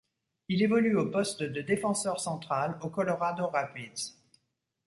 Il évolue au poste de défenseur central aux Colorado Rapids.